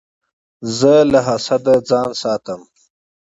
زه له حسده ځان ساتم.